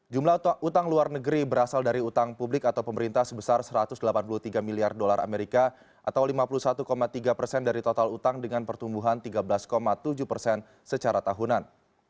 jumlah utang luar negeri berasal dari utang publik atau pemerintah sebesar satu ratus delapan puluh tiga miliar dolar amerika atau lima puluh satu tiga persen dari total utang dengan pertumbuhan tiga belas tujuh persen secara tahunan